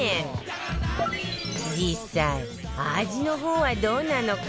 実際味の方はどうなのか